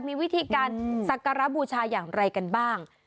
มีวิธีการสักการะบูชาอย่างไรกันบ้าง